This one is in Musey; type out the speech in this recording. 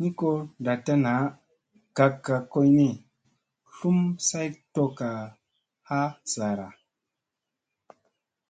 Ni ko ndatta naa, gak gak koyni slum saytokka ha sara.